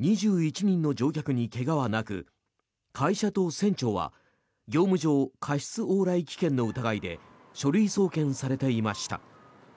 ２１人の乗客に怪我はなく会社と船長は業務上過失往来危険の疑いで書類送検されていました。